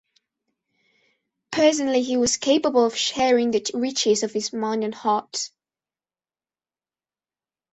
Personally he was capable of sharing the riches of his mind and heart.